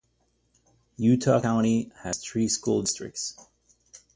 Utah County has three school districts.